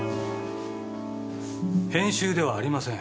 編集ではありません。